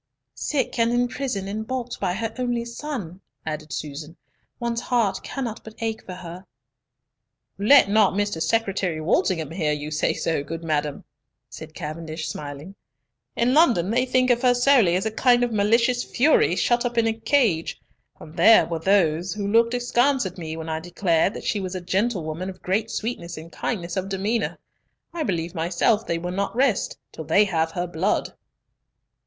"Sick and in prison, and balked by her only son," added Susan, "one's heart cannot but ache for her." "Let not Mr. Secretary Walsingham hear you say so, good madam," said Cavendish, smiling. "In London they think of her solely as a kind of malicious fury shut up in a cage, and there were those who looked askance at me when I declared that she was a gentlewoman of great sweetness and kindness of demeanour. I believe myself they will not rest till they have her blood!"